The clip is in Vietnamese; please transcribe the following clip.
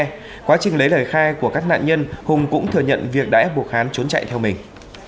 trong quá trình lấy lời khai của các nạn nhân hùng cũng thừa nhận việc đã ép buộc khán trốn chạy theo mình